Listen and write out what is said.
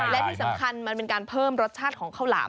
และที่สำคัญมันเป็นการเพิ่มรสชาติของข้าวหลาม